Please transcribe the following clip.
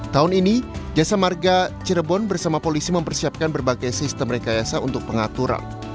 tahun ini jasa marga cirebon bersama polisi mempersiapkan berbagai sistem rekayasa untuk pengaturan